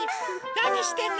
なにしてるの？